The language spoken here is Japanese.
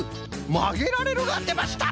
「まげられる」がでました！